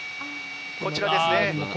こちらですね。